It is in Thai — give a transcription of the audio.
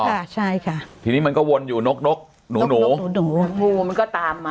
ค่ะใช่ค่ะทีนี้มันก็วนอยู่นกนกหนูหนูหนูงูมันก็ตามมา